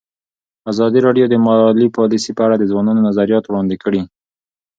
ازادي راډیو د مالي پالیسي په اړه د ځوانانو نظریات وړاندې کړي.